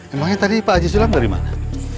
emangnya tadi pak haji silang dari mana